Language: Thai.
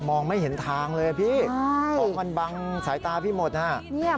ไม่เห็นทางเลยพี่ของมันบังสายตาพี่หมดฮะ